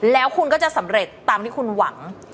แล้วคุณก็จะสำเร็จตามที่คุณหวัง